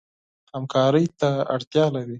همکارۍ ته اړتیا لري.